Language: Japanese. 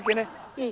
うん。